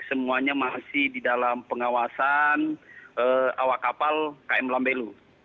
semuanya masih di dalam pengawasan awak kapal km lambelu